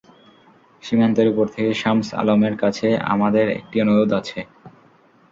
সীমান্তের ওপার থেকে শামস আলমের কাছে আমাদের একটি অনুরোধ আছে।